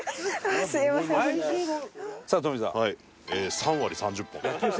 ３割３０本。